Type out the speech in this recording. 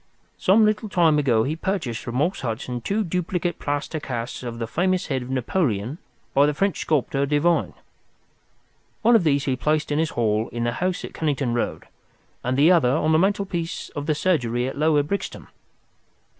Some little time ago he purchased from Morse Hudson two duplicate plaster casts of the famous head of Napoleon by the French sculptor, Devine. One of these he placed in his hall in the house at Kennington Road, and the other on the mantelpiece of the surgery at Lower Brixton.